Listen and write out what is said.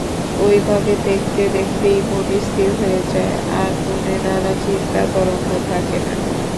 ঐভাবে দেখতে দেখতেই মন স্থির হয়ে যায়, আর মনে নানা চিন্তাতরঙ্গ থাকে না।